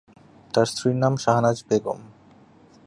তার স্ত্রীর নাম শাহনাজ বেগম।